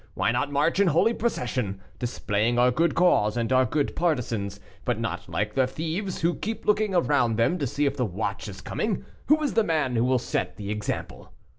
Why not march in holy procession, displaying our good cause, and our good partisans, but not like the thieves, who keep looking round them to see if the watch is coming. Who is the man who will set the example?